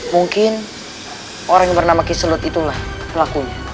mungkin orang yang bernama kiselut itulah pelakunya